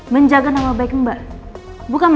menjaga nama baik mbak